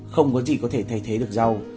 không có gì có thể thay thế được rau